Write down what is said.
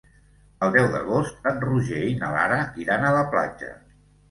El deu d'agost en Roger i na Lara iran a la platja.